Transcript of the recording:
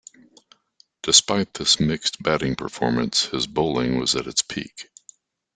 Despite this mixed batting performance, his bowling was at its peak.